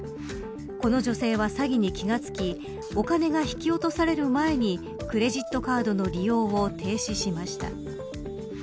この女性は詐欺に気が付きお金が引き落とされる前にクレジットカードの利用を停止しました。